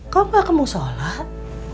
kok gak kemau sholat